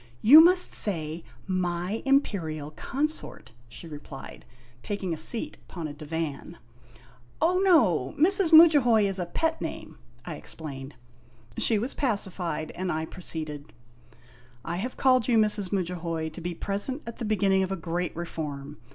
"You must say, 'my Imperial Consort,' ' she replied, taking a seat upon a divan. "Oh, no. Mrs. Mudjahoy is a pet name," I explained. She was pacified, and I proceeded :" I have called you, Mrs. Mudjahoy, to be present at the beginning of a Great Reform.